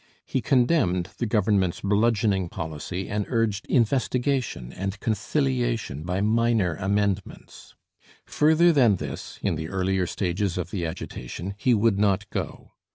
He condemned the Government's bludgeoning policy and urged investigation and conciliation by minor amendments. Further than this, in the earlier stages of the agitation, he would not go.